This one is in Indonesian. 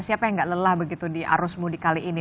siapa yang gak lelah begitu di arus mudik kali ini